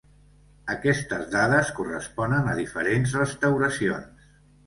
Aquestes dades corresponen a diferents restauracions.